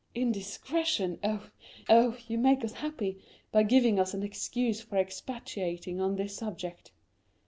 "Indiscretion,—oh, you make us happy by giving us an excuse for expatiating on this subject.